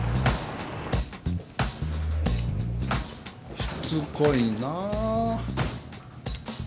しつこいな。